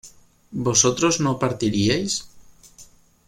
¿vosotros no partiríais?